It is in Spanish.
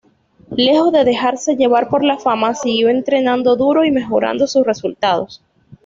Lejos de dejarse llevar por la fama, siguió entrenando duró y mejorando sus resultados.